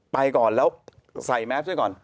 ไปก่อนแล้วใส่แมพซี่ก่อน